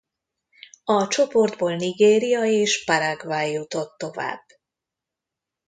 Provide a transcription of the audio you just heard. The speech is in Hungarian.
A csoportból Nigéria és Paraguay jutott tovább.